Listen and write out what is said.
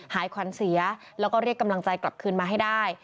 หายขวัญเสียแล้วก็เรียกกำลังใจกลับคืนมาให้ได้